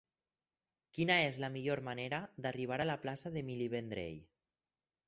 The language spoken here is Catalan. Quina és la millor manera d'arribar a la plaça d'Emili Vendrell?